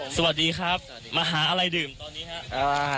สวัสดีครับมหาลัยดื่มตอนนี้ครับ